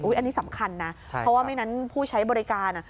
อันนี้สำคัญนะเพราะว่าไม่งั้นผู้ใช้บริการ